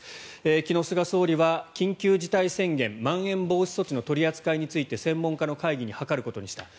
昨日、菅総理は緊急事態宣言まん延防止措置の取り扱いについて専門家の会議に諮ることにした。